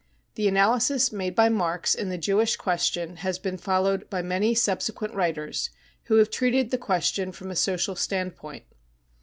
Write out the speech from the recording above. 55 The analysis made by Marx in The Jewish ' Question has been followed by many subsequent writers who have treated the question from a social stand point.